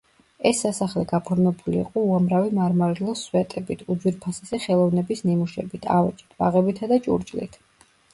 ეს სასახლე გაფორმებული იყო უამრავი მარმარილოს სვეტებით, უძვირფასესი ხელოვნების ნიმუშებით, ავეჯით, ბაღებითა და ჭურჭლით.